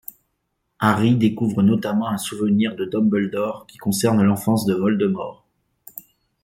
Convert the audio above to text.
Harry découvre notamment un souvenir de Dumbledore qui concerne l'enfance de Voldemort.